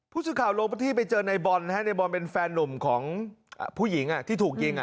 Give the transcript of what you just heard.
พูดถึงเข้าลงประที่ไปเจอในบอนในบอนเป็นแฟนหนุ่มของผู้หญิงถูกยิง